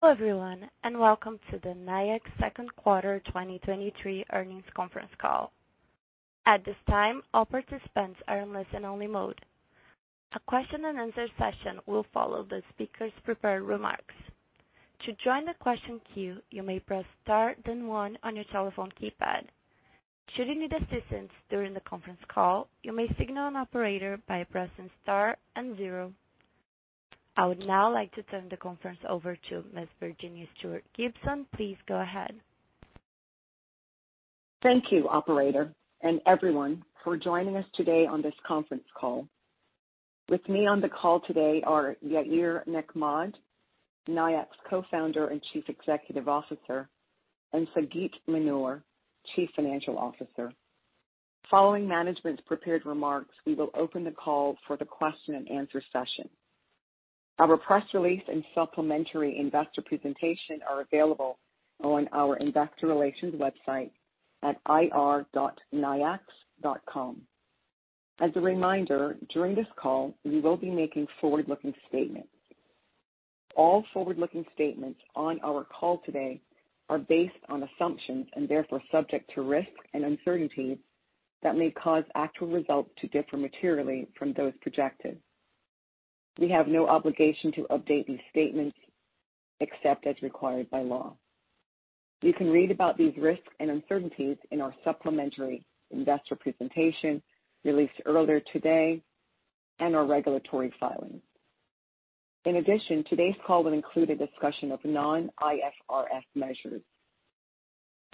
Hello, everyone, and Welcome to The Nayax Second Quarter 2023 Earnings Conference Call. At this time, all participants are in listen-only mode. A question and answer session will follow the speaker's prepared remarks. To join the question queue, you may press star, then one on your telephone keypad. Should you need assistance during the conference call, you may signal an operator by pressing star and zero. I would now like to turn the conference over to Ms. Virginea Stuart Gibson. Please go ahead. Thank you, operator, and everyone for joining us today on this conference call. With me on the call today are Yair Nechmad, Nayax Co-founder and Chief Executive Officer, and Sagit Manor, Chief Financial Officer. Following management's prepared remarks, we will open the call for the question and answer session. Our press release and supplementary investor presentation are available on our investor relations website at ir.nayax.com. As a reminder, during this call, we will be making forward-looking statements. All forward-looking statements on our call today are based on assumptions and therefore subject to risks and uncertainties that may cause actual results to differ materially from those projected. We have no obligation to update these statements except as required by law. You can read about these risks and uncertainties in our supplementary investor presentation released earlier today and our regulatory filings. In addition, today's call will include a discussion of non-IFRS measures.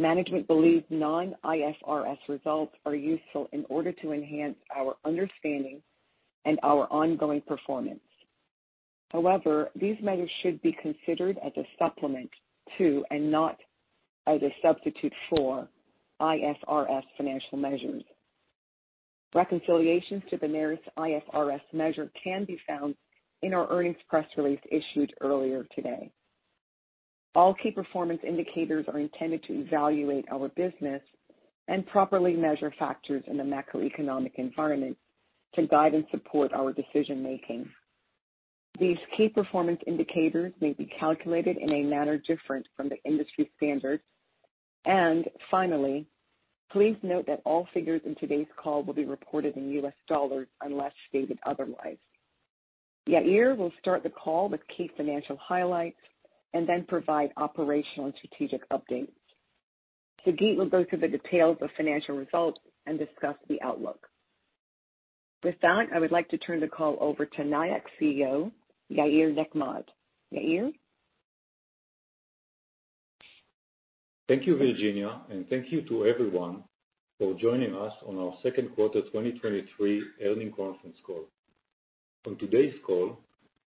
Management believes non-IFRS results are useful in order to enhance our understanding and our ongoing performance. However, these measures should be considered as a supplement to, and not as a substitute for, IFRS financial measures. Reconciliations to the nearest IFRS measure can be found in our earnings press release issued earlier today. All key performance indicators are intended to evaluate our business and properly measure factors in the macroeconomic environment to guide and support our decision-making. These key performance indicators may be calculated in a manner different from the industry standard. Finally, please note that all figures in today's call will be reported in U.S. dollars, unless stated otherwise. Yair will start the call with key financial highlights and then provide operational and strategic updates. Sagit will go through the details of financial results and discuss the outlook. With that, I would like to turn the call over to Nayax's CEO, Yair Nechmad. Yair? Thank you, Virginea, and thank you to everyone for joining us on Our Second Quarter 2023 Earnings Conference Call. On today's call,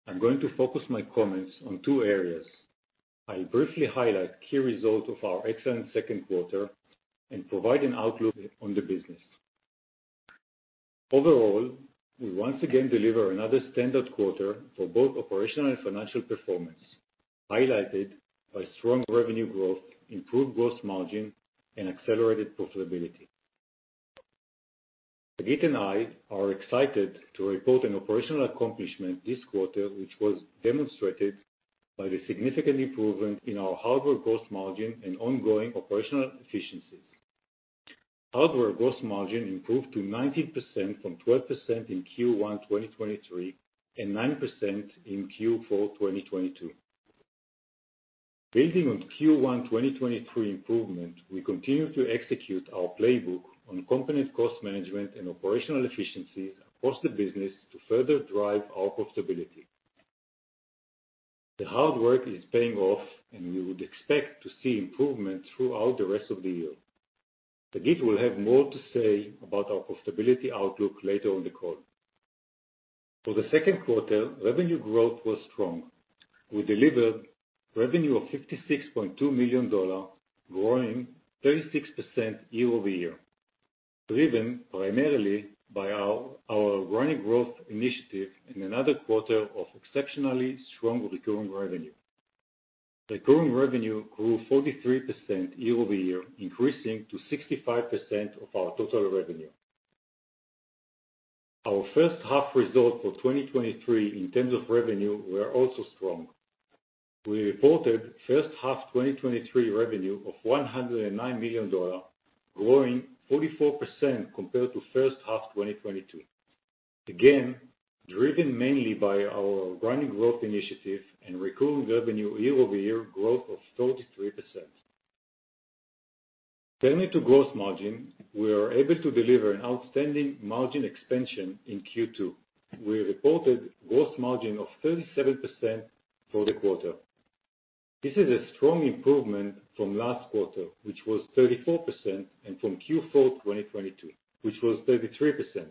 I'm going to focus my comments on two areas. I'll briefly highlight key results of our excellent second quarter and provide an outlook on the business. Overall, we once again deliver another standard quarter for both operational and financial performance, highlighted by strong revenue growth, improved gross margin, and accelerated profitability. Sagit and I are excited to report an operational accomplishment this quarter, which was demonstrated by the significant improvement in our hardware gross margin and ongoing operational efficiencies. Hardware gross margin improved to 19% from 12% in Q1 2023, and 9% in Q4 2022. Building on Q1 2023 improvement, we continue to execute our playbook on competent cost management and operational efficiencies across the business to further drive our profitability. The hard work is paying off, and we would expect to see improvement throughout the rest of the year. Sagit will have more to say about our profitability outlook later in the call. For the second quarter, revenue growth was strong. We delivered revenue of $56.2 million, growing 36% year-over-year, driven primarily by our, our organic growth initiative in another quarter of exceptionally strong recurring revenue. Recurring revenue grew 43% year-over-year, increasing to 65% of our total revenue. Our first half results for 2023 in terms of revenue were also strong. We reported first half 2023 revenue of $109 million, growing 44% compared to first half 2022. Again, driven mainly by our running growth initiative and recurring revenue year-over-year growth of 33%. Turning to gross margin, we are able to deliver an outstanding margin expansion in Q2. We reported gross margin of 37% for the quarter. This is a strong improvement from last quarter, which was 34%, and from Q4, 2022, which was 33%.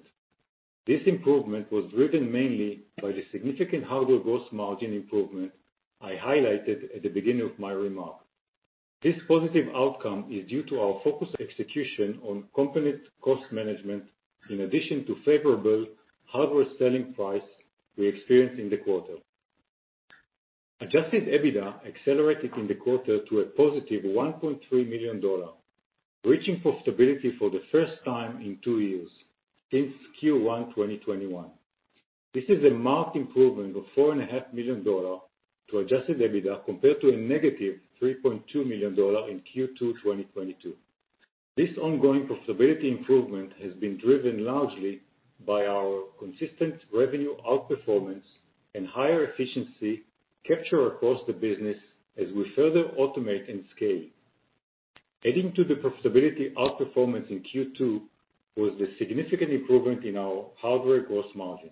This improvement was driven mainly by the significant hardware gross margin improvement I highlighted at the beginning of my remarks. This positive outcome is due to our focused execution on competent cost management, in addition to favorable hardware selling price we experienced in the quarter. Adjusted EBITDA accelerated in the quarter to a +ve $1.3 million, reaching profitability for the first time in two years since Q1, 2021. This is a marked improvement of $4.5 million to adjusted EBITDA, compared to a -ve $3.2 million in Q2, 2022. This ongoing profitability improvement has been driven largely by our consistent revenue outperformance and higher efficiency capture across the business as we further automate and scale. Adding to the profitability outperformance in Q2, was the significant improvement in our hardware gross margin.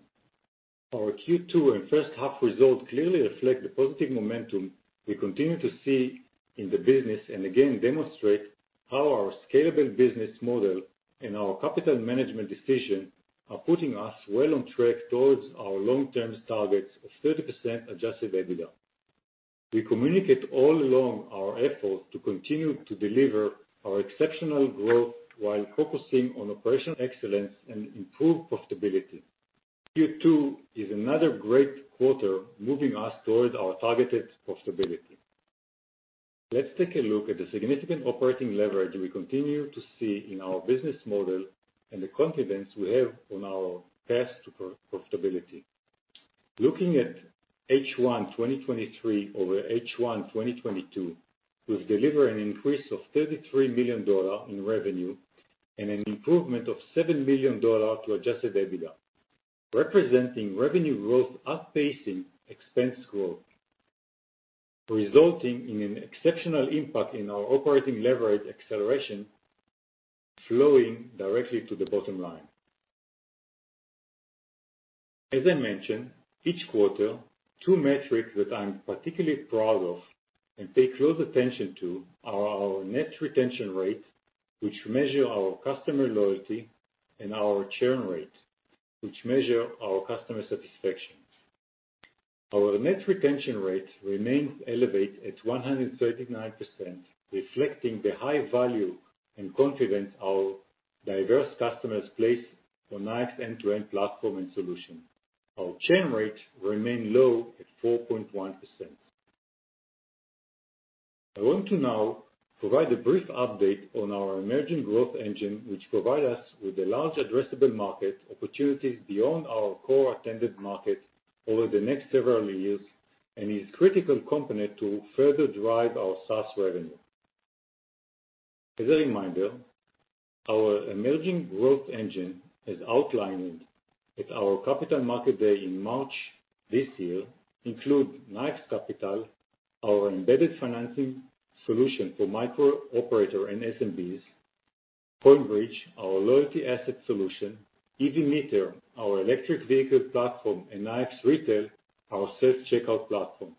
Our Q2 and first half results clearly reflect the positive momentum we continue to see in the business. Again, demonstrate how our scalable business model and our capital management decision are putting us well on track towards our long-term targets of 30% adjusted EBITDA. We communicate all along our efforts to continue to deliver our exceptional growth while focusing on operational excellence and improve profitability. Q2 is another great quarter, moving us towards our targeted profitability. Let's take a look at the significant operating leverage we continue to see in our business model and the confidence we have on our path to pro-profitability. Looking at H1 2023 over H1 2022, we've delivered an increase of $33 million in revenue and an improvement of $7 million to adjusted EBITDA, representing revenue growth outpacing expense growth, resulting in an exceptional impact in our operating leverage acceleration, flowing directly to the bottom line. As I mentioned, each quarter, two metrics that I'm particularly proud of and pay close attention to are our net retention rate, which measure our customer loyalty, and our churn rate, which measure our customer satisfaction. Our net retention rate remains elevated at 139%, reflecting the high value and confidence our diverse customers place on Nayax's end-to-end platform and solution. Our churn rate remain low at 4.1%. I want to now provide a brief update on our emerging growth engine, which provide us with a large addressable market opportunities beyond our core attended market over the next several years, and is critical component to further drive our SaaS revenue. As a reminder, our emerging growth engine, as outlined at our Capital Markets Day in March this year, include Nayax Capital, our embedded financing solution for micro operator and SMBs, CoinBridge, our loyalty asset solution, EV Meter, our electric vehicle platform, and Nayax Retail, our self-checkout platform.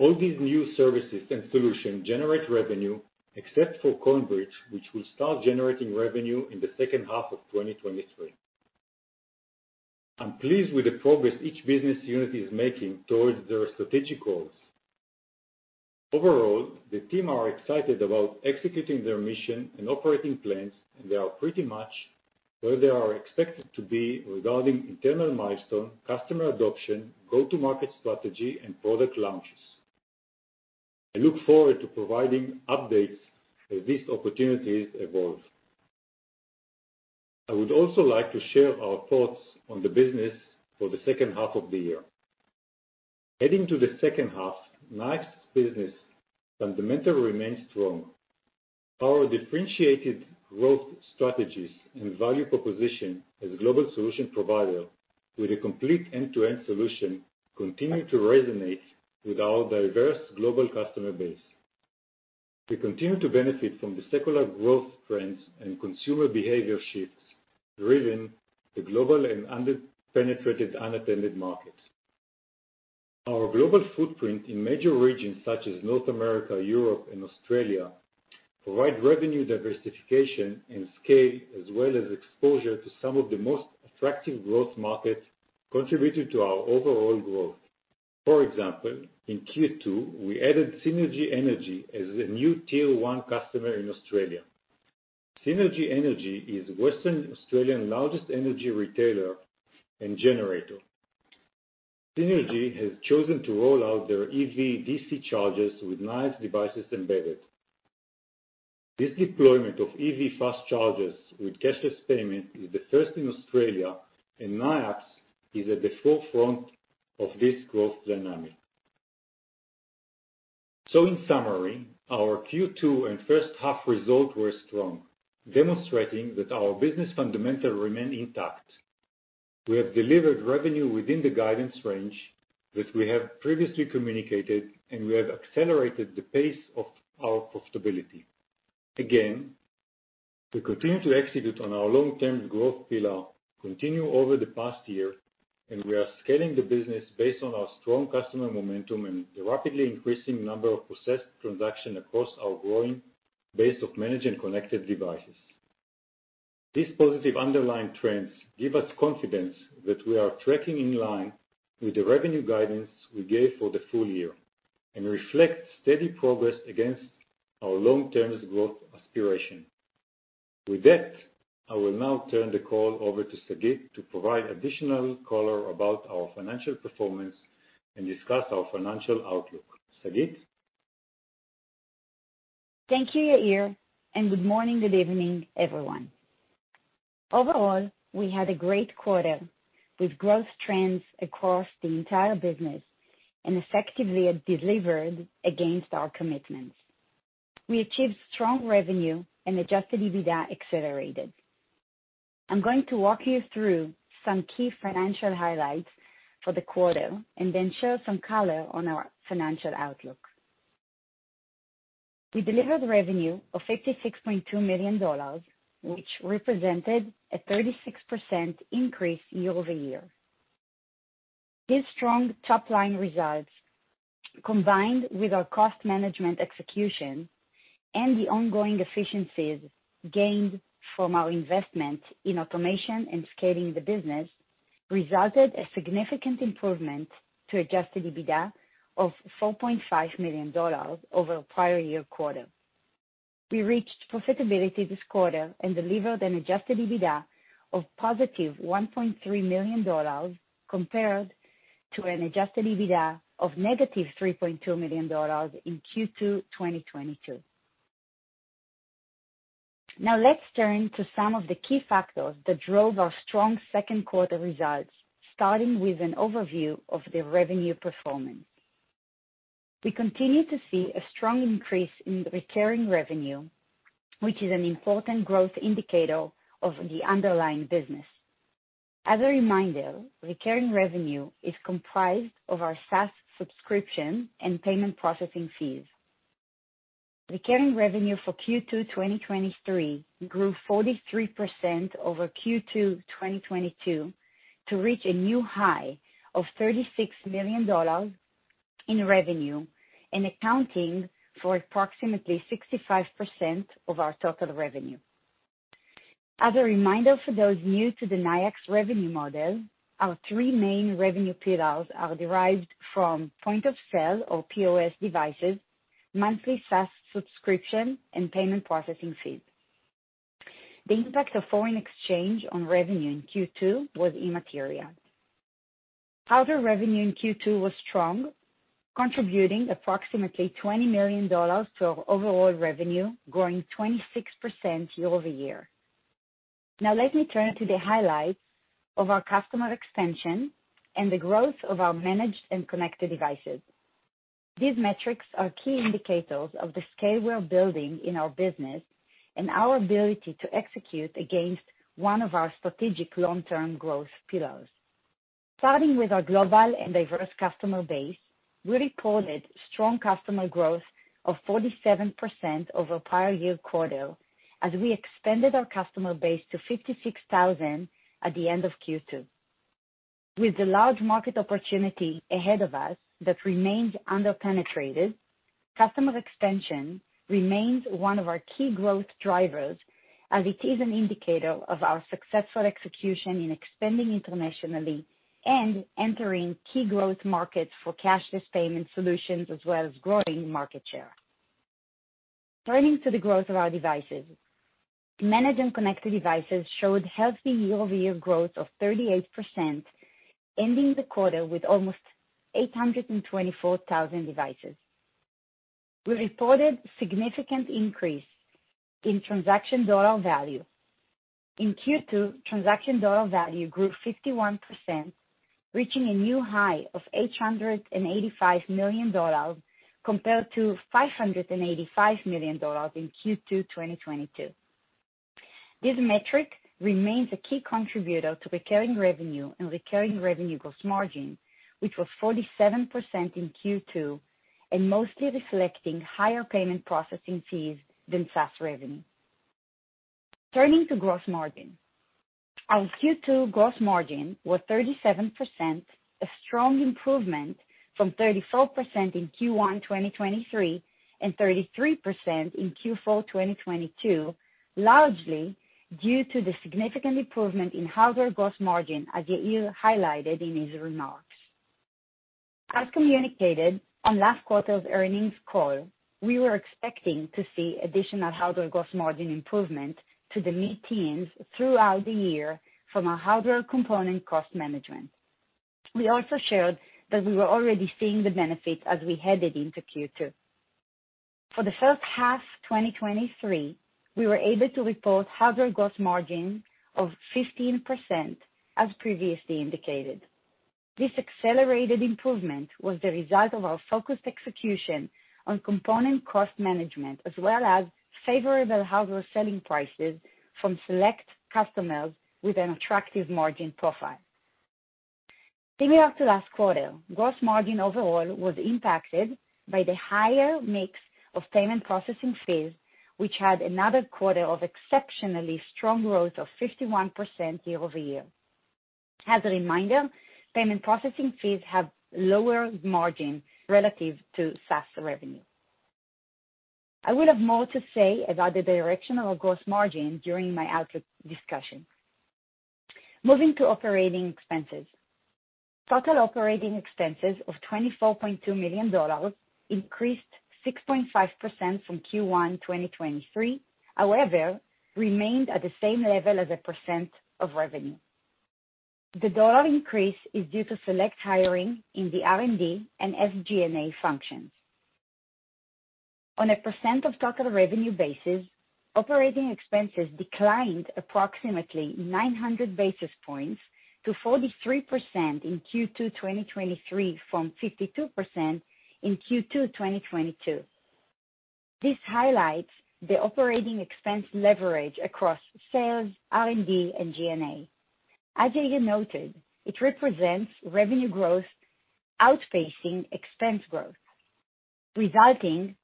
All these new services and solutions generate revenue, except for CoinBridge, which will start generating revenue in the second half of 2023. I'm pleased with the progress each business unit is making towards their strategic goals. Overall, the team are excited about executing their mission and operating plans, and they are pretty much where they are expected to be regarding internal milestone, customer adoption, go-to-market strategy, and product launches. I look forward to providing updates as these opportunities evolve. I would also like to share our thoughts on the business for the second half of the year. Heading to the second half, Nayax's business fundamentally remains strong. Our differentiated growth strategies and value proposition as a global solution provider with a complete end-to-end solution, continue to resonate with our diverse global customer base. We continue to benefit from the secular growth trends and consumer behavior shifts, driven the global and under-penetrated and unattended markets. Our global footprint in major regions such as North America, Europe, and Australia, provide revenue diversification and scale, as well as exposure to some of the most attractive growth markets, contributing to our overall growth. For example, in Q2, we added Synergy Energy as a new tier one customer in Australia. Synergy Energy is Western Australian largest energy retailer and generator. Synergy has chosen to roll out their EV DC chargers with Nayax devices embedded. This deployment of EV fast chargers with cashless payment is the first in Australia. Nayax is at the forefront of this growth dynamic. In summary, our Q2 and first half results were strong, demonstrating that our business fundamentals remain intact. We have delivered revenue within the guidance range that we have previously communicated, and we have accelerated the pace of our profitability. Again, we continue to execute on our long-term growth pillar, continue over the past year, and we are scaling the business based on our strong customer momentum and the rapidly increasing number of processed transactions across our growing base of managed and connected devices. These positive underlying trends give us confidence that we are tracking in line with the revenue guidance we gave for the full year, and reflect steady progress against our long-term growth aspiration. With that, I will now turn the call over to Sagit to provide additional color about our financial performance and discuss our financial outlook. Sagit? Thank you, Yair. Good morning, good evening, everyone. Overall, we had a great quarter, with growth trends across the entire business and effectively delivered against our commitments. We achieved strong revenue and adjusted EBITDA accelerated. I'm going to walk you through some key financial highlights for the quarter and then share some color on our financial outlook. We delivered revenue of $56.2 million, which represented a 36% increase year-over-year. These strong top-line results, combined with our cost management execution and the ongoing efficiencies gained from our investment in automation and scaling the business, resulted a significant improvement to adjusted EBITDA of $4.5 million over our prior year quarter. We reached profitability this quarter and delivered an adjusted EBITDA of $1.3 million, compared to an adjusted EBITDA of -ve $3.2 million in Q2 2022. Now, let's turn to some of the key factors that drove our strong second quarter results, starting with an overview of the revenue performance. We continue to see a strong increase in the recurring revenue, which is an important growth indicator of the underlying business. As a reminder, recurring revenue is comprised of our SaaS subscription and payment processing fees. Recurring revenue for Q2 2023 grew 43% over Q2 2022 to reach a new high of $36 million in revenue and accounting for approximately 65% of our total revenue. As a reminder for those new to the Nayax revenue model, our three main revenue pillars are derived from point-of-sale or POS devices, monthly SaaS subscription, and payment processing fees. The impact of foreign exchange on revenue in Q2 was immaterial. Hardware revenue in Q2 was strong, contributing approximately $20 million to our overall revenue, growing 26% year-over-year. Now let me turn to the highlights of our customer expansion and the growth of our managed and connected devices. These metrics are key indicators of the scale we are building in our business and our ability to execute against one of our strategic long-term growth pillars. Starting with our global and diverse customer base, we reported strong customer growth of 47% over prior year quarter, as we expanded our customer base to 56,000 at the end of Q2. With the large market opportunity ahead of us that remains underpenetrated, customer expansion remains one of our key growth drivers, as it is an indicator of our successful execution in expanding internationally and entering key growth markets for cashless payment solutions, as well as growing market share. Turning to the growth of our devices. Managed and connected devices showed healthy year-over-year growth of 38%, ending the quarter with almost 824,000 devices. We reported significant increase in transaction dollar value. In Q2, transaction dollar value grew 51%, reaching a new high of $885 million, compared to $585 million in Q2 2022. This metric remains a key contributor to recurring revenue and recurring revenue gross margin, which was 47% in Q2 and mostly reflecting higher payment processing fees than SaaS revenue. Turning to gross margin. Our Q2 gross margin was 37%, a strong improvement from 34% in Q1 2023, and 33% in Q4 2022, largely due to the significant improvement in hardware gross margin, as Yair highlighted in his remarks. As communicated on last quarter's earnings call, we were expecting to see additional hardware gross margin improvement to the mid-teens throughout the year from our hardware component cost management. We also shared that we were already seeing the benefit as we headed into Q2. For the first half 2023, we were able to report hardware gross margin of 15%, as previously indicated. This accelerated improvement was the result of our focused execution on component cost management, as well as favorable hardware selling prices from select customers with an attractive margin profile. Similar to last quarter, gross margin overall was impacted by the higher mix of payment processing fees, which had another quarter of exceptionally strong growth of 51% year-over-year. As a reminder, payment processing fees have lower margin relative to SaaS revenue. I will have more to say about the direction of our gross margin during my outlook discussion. Moving to operating expenses. Total operating expenses of $24.2 million increased 6.5% from Q1 2023, however, remained at the same level as a % of revenue. The dollar increase is due to select hiring in the R&D and SG&A functions. On a % of total revenue basis, operating expenses declined approximately 900 basis points to 43% in Q2 2023, from 52% in Q2 2022. This highlights the operating expense leverage across sales, R&D, and G&A. As Yair noted, it represents revenue growth outpacing expense growth, resulting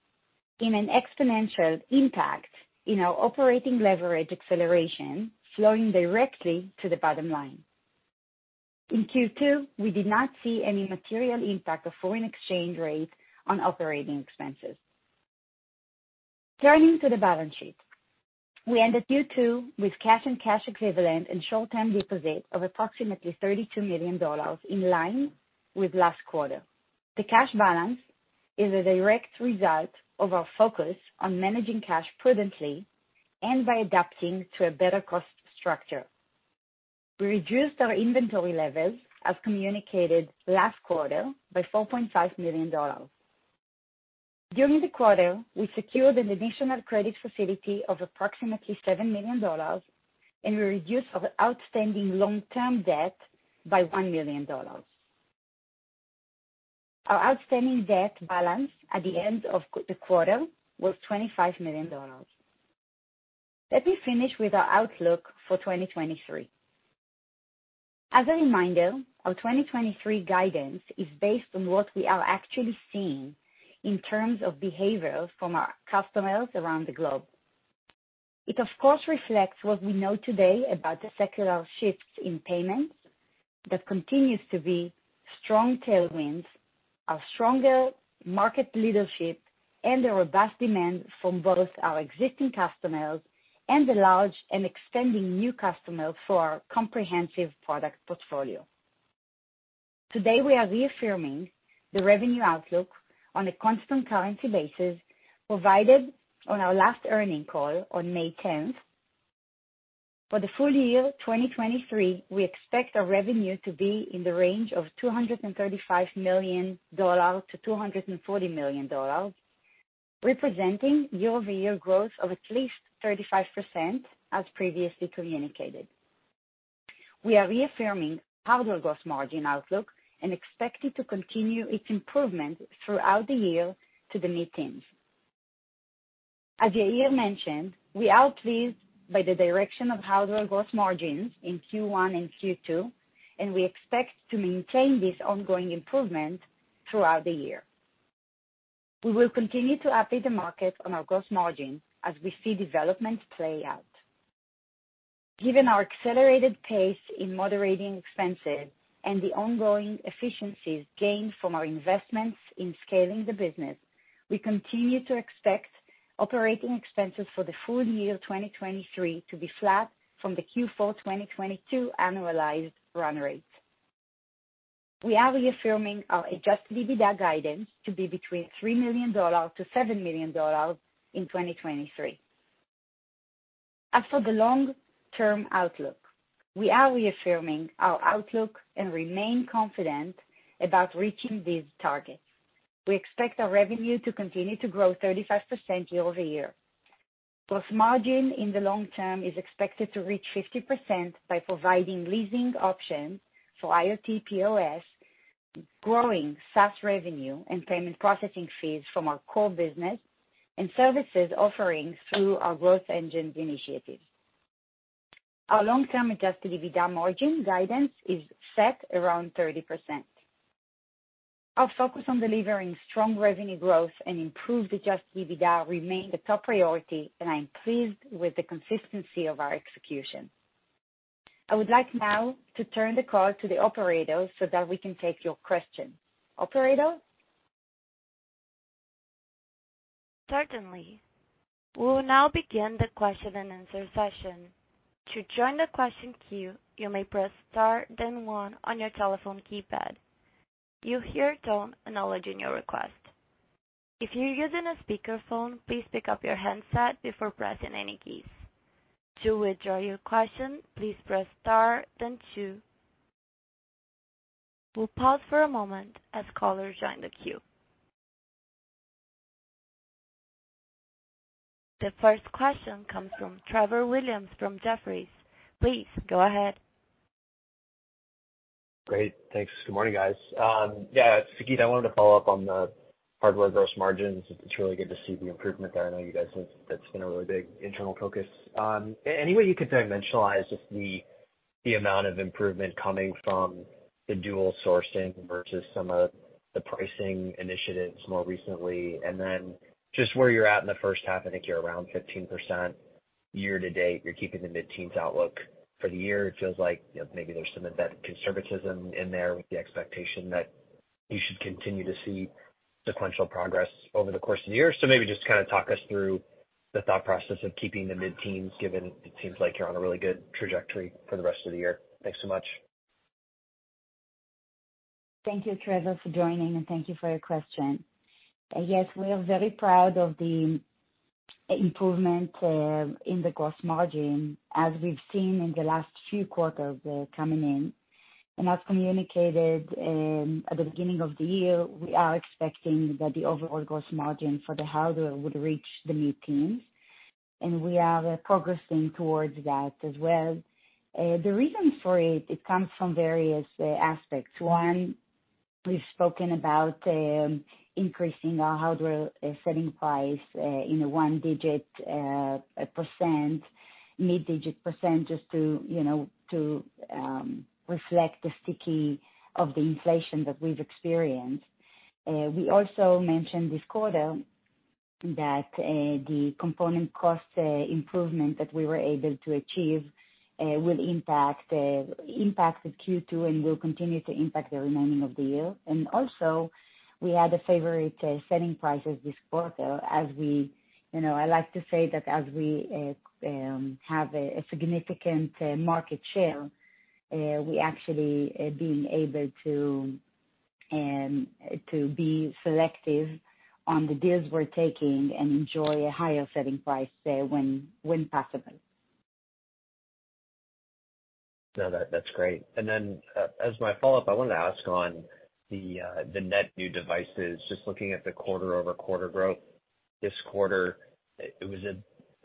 in an exponential impact in our operating leverage acceleration flowing directly to the bottom line. In Q2, we did not see any material impact of foreign exchange rates on operating expenses. Turning to the balance sheet. We ended Q2 with cash and cash equivalent and short-term deposits of approximately $32 million, in line with last quarter. The cash balance is a direct result of our focus on managing cash prudently and by adapting to a better cost structure. We reduced our inventory levels, as communicated last quarter, by $4.5 million. During the quarter, we secured an additional credit facility of approximately $7 million, and we reduced our outstanding long-term debt by $1 million. Our outstanding debt balance at the end of the quarter was $25 million. Let me finish with our outlook for 2023. As a reminder, our 2023 guidance is based on what we are actually seeing in terms of behavior from our customers around the globe. It, of course, reflects what we know today about the secular shifts in payments that continues to be strong tailwinds, our stronger market leadership, and a robust demand from both our existing customers and the large and extending new customers for our comprehensive product portfolio. Today, we are reaffirming the revenue outlook on a constant currency basis provided on our last earning call on May 10th. For the full year 2023, we expect our revenue to be in the range of $235 million-$240 million, representing year-over-year growth of at least 35%, as previously communicated. We are reaffirming hardware gross margin outlook and expect it to continue its improvement throughout the year to the mid-teens. As Yair mentioned, we are pleased by the direction of hardware gross margins in Q1 and Q2, we expect to maintain this ongoing improvement throughout the year. We will continue to update the market on our gross margin as we see developments play out. Given our accelerated pace in moderating expenses and the ongoing efficiencies gained from our investments in scaling the business, we continue to expect operating expenses for the full year 2023 to be flat from the Q4 2022 annualized run rate. We are reaffirming our adjusted EBITDA guidance to be between $3 million-$7 million in 2023. As for the long-term outlook, we are reaffirming our outlook and remain confident about reaching these targets. We expect our revenue to continue to grow 35% year-over-year. Gross margin in the long term is expected to reach 50% by providing leasing options for IoT POS, growing SaaS revenue and payment processing fees from our core business, services offerings through our growth engines initiatives. Our long-term adjusted EBITDA margin guidance is set around 30%. Our focus on delivering strong revenue growth and improved adjusted EBITDA remain the top priority, I am pleased with the consistency of our execution. I would like now to turn the call to the operator so that we can take your questions. Operator? Certainly. We will now begin the question-and-answer session. To join the question queue, you may press Star, then one on your telephone keypad. You'll hear a tone acknowledging your request. If you're using a speakerphone, please pick up your handset before pressing any keys. To withdraw your question, please press Star then two. We'll pause for a moment as callers join the queue. The first question comes from Trevor Williams, from Jefferies. Please go ahead. Great. Thanks. Good morning, guys. Yeah, Sagit, I wanted to follow up on the hardware gross margins. It's really good to see the improvement there. I know you guys, that's been a really big internal focus. Any way you could dimensionalize just the amount of improvement coming from the dual sourcing vs some of the pricing initiatives more recently? Then just where you're at in the first half, I think you're around 15% year to date. You're keeping the mid-teens outlook for the year. It feels like, you know, maybe there's some of that conservatism in there with the expectation that you should continue to see sequential progress over the course of the year. Maybe just kind of talk us through the thought process of keeping the mid-teens, given it seems like you're on a really good trajectory for the rest of the year. Thanks so much. ...Thank you, Trevor, for joining, and thank you for your question. Yes, we are very proud of the improvement in the gross margin, as we've seen in the last few quarters coming in. As communicated, at the beginning of the year, we are expecting that the overall gross margin for the hardware would reach the mid-teens, and we are progressing towards that as well. The reason for it, it comes from various aspects. One, we've spoken about increasing our hardware selling price in a one digit %, mid-digit %, just to, you know, to reflect the sticky of the inflation that we've experienced. We also mentioned this quarter that the component cost improvement that we were able to achieve will impact impacted Q2 and will continue to impact the remaining of the year. Also, we had a favorite selling prices this quarter, as we-- You know, I like to say that as we have a significant market share, we actually being able to be selective on the deals we're taking and enjoy a higher selling price, when, when possible. No, that, that's great. Then, as my follow-up, I wanted to ask on the, the net new devices, just looking at the quarter-over-quarter growth this quarter, it was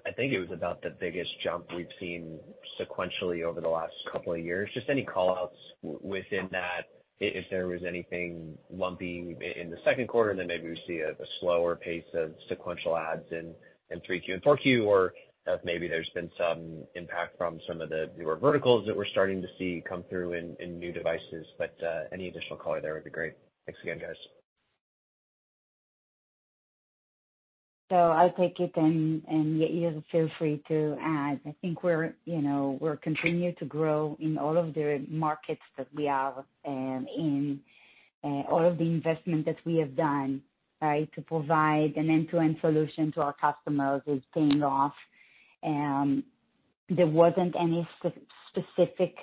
I think it was about the biggest jump we've seen sequentially over the last couple of years. Just any call-outs within that, if there was anything lumpy in the second quarter, and then maybe we see a slower pace of sequential adds in 3Q and 4Q, or if maybe there's been some impact from some of the newer verticals that we're starting to see come through in new devices? Any additional color there would be great. Thanks again, guys. I'll take it, and, and, Yair, feel free to add. I think we're, you know, we're continuing to grow in all of the markets that we are in. All of the investment that we have done, right, to provide an end-to-end solution to our customers is paying off. There wasn't any specific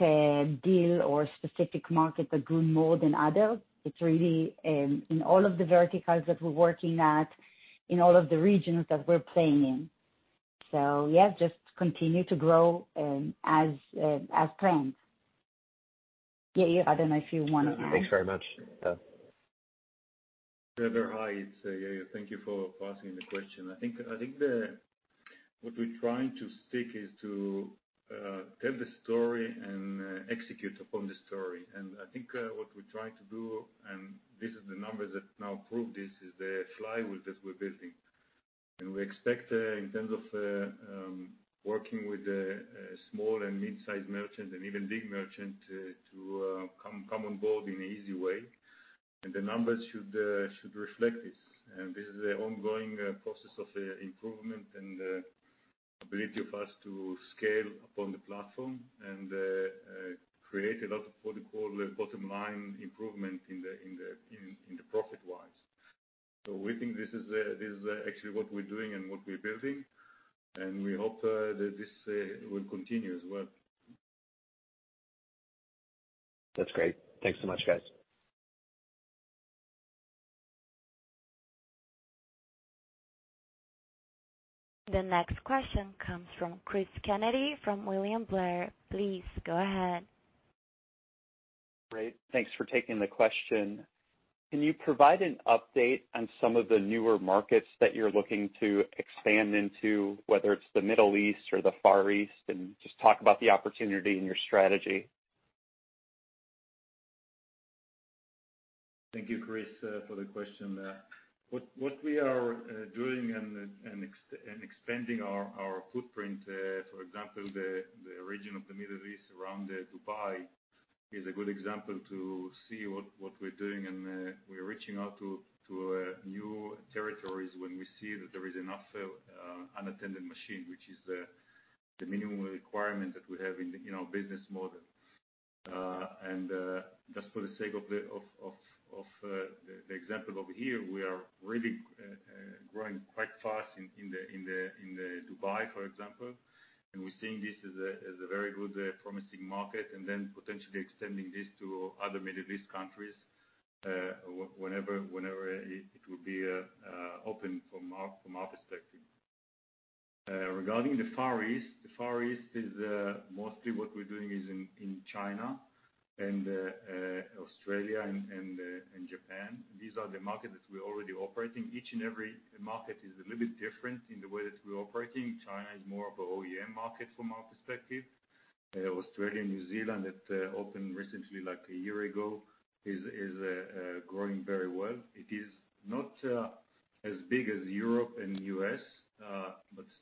deal or specific market that grew more than others. It's really in all of the verticals that we're working at, in all of the regions that we're playing in. Yeah, just continue to grow as planned. Yair, I don't know if you want to add. Thanks very much. Trevor, hi, it's Yair. Thank you for, for asking the question. I think, I think the, what we're trying to stick is to tell the story and execute upon the story. I think, what we're trying to do, and this is the numbers that now prove this, is the flywheel that we're building. We expect, in terms of working with the small and mid-sized merchants and even big merchant to, to come, come on board in an easy way, and the numbers should reflect this. This is an ongoing process of improvement and ability of us to scale upon the platform and create a lot of quote-unquote, "bottom line improvement" in the, in the, in, in the profit-wise. We think this is, this is actually what we're doing and what we're building, and we hope that this will continue as well. That's great. Thanks so much, guys. The next question comes from Christopher Kennedy, from William Blair. Please go ahead. Great. Thanks for taking the question. Can you provide an update on some of the newer markets that you're looking to expand into, whether it's the Middle East or the Far East, and just talk about the opportunity and your strategy? Thank you, Chris, for the question. What we are doing and expanding our footprint, for example, the region of the Middle East around Dubai, is a good example to see what we're doing. We're reaching out to new territories when we see that there is enough unattended machine, which is the minimum requirement that we have in our business model. Just for the sake of the example over here, we are really growing quite fast in Dubai, for example. We're seeing this as a very good, promising market and then potentially extending this to other Middle East countries whenever it will be open from our perspective. Regarding the Far East, the Far East is mostly what we're doing is in China and Australia and Japan. These are the markets that we're already operating. Each and every market is a little bit different in the way that we're operating. China is more of a OEM market from our perspective. Australia and New Zealand, it opened recently, like a year ago, is growing very well. It is not as big as Europe and U.S.,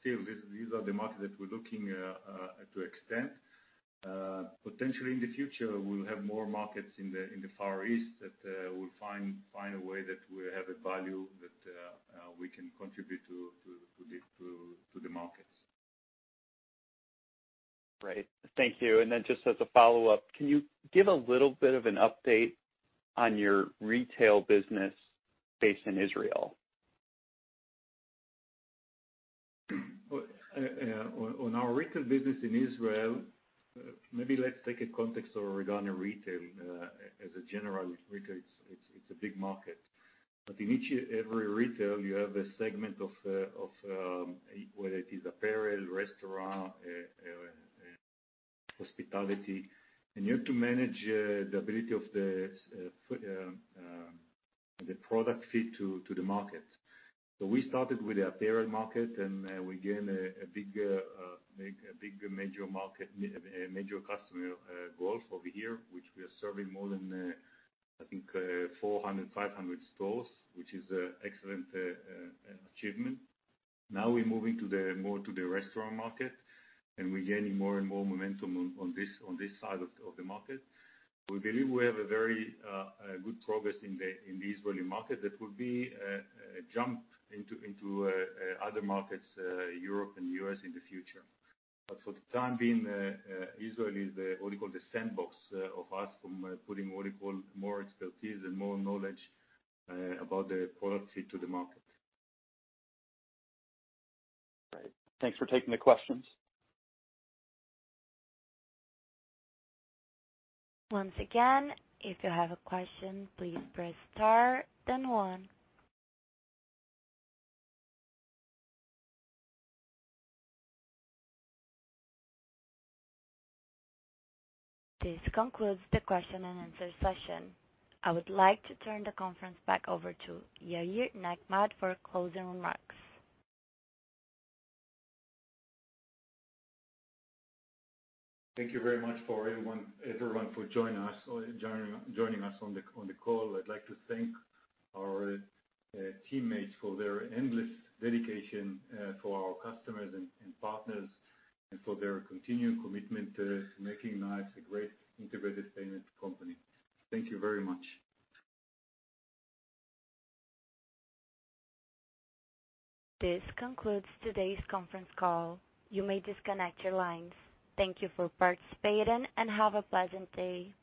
still, these are the markets that we're looking to extend. Potentially in the future, we'll have more markets in the Far East that we'll find a way that we have a value that we can contribute to the markets. Great. Thank you. Then just as a follow-up, can you give a little bit of an update on your retail business based in Israel? Well, on our retail business in Israel, maybe let's take a context of regarding retail. As a general retail, it's, it's a big market, but in each, every retail, you have a segment of, whether it is apparel, restaurant, hospitality, and you have to manage the ability of the product fit to the market. So we started with the apparel market, and we gained a big, big, a big major market, major customer growth over here, which we are serving more than, I think, 400, 500 stores, which is a excellent achievement. Now we're moving to the more to the restaurant market, and we're gaining more and more momentum on, on this, on this side of the market. We believe we have a very good progress in the Israeli market. That will be jump into other markets, Europe and U.S. in the future. For the time being, Israel is the, what you call, the sandbox, of us from putting, what you call, more expertise and more knowledge about the policy to the market. Right. Thanks for taking the questions. Once again, if you have a question, please press star one. This concludes the question and answer session. I would like to turn the conference back over to Yair Nechmad for closing remarks. Thank you very much for everyone for joining us on the call. I'd like to thank our teammates for their endless dedication for our customers and partners, and for their continued commitment to making Nayax a great integrated payment company. Thank you very much. This concludes today's conference call. You may disconnect your lines. Thank you for participating, and have a pleasant day!